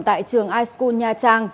tại trường ischool nha trang